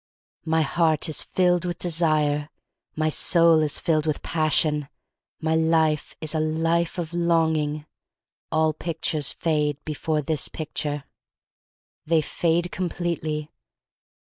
My heart is filled with desire. My soul is filled with passion. My life is a life of longing. All pictures fade before this picture. THE STORY OF MARY MAC LANE 237 They fade completely.